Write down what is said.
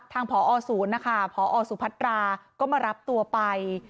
ผอศูนย์นะคะพอสุพัตราก็มารับตัวไป